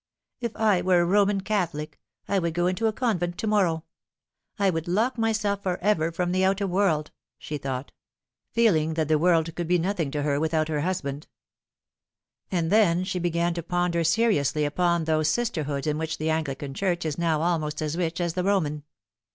" If I were a Koman Catholic I would go into a convent to morrow ; I would lock myself for ever from the outer world," she thought, feeling that the world could be nothing to her without her husband. And then she began to ponder seriously upon those sister hoods in which the Anglican Church is now almost as rich as the Roman.